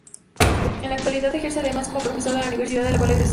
En la actualidad ejerce además como profesor de la universidad de la cual egresó.